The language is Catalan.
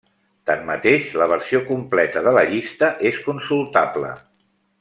Tanmateix, la versió completa de la llista és consultable.